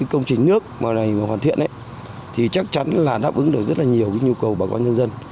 công trình nước mà hoàn thiện thì chắc chắn là đáp ứng được rất nhiều nhu cầu bằng quan nhân dân